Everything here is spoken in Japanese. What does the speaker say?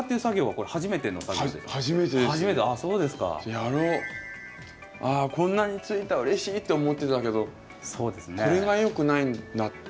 「こんなについたうれしい」って思ってたけどそれがよくないんだ。